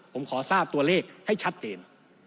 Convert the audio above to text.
ผมขอทราบตัวเลขให้ชัดเจน